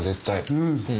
うん。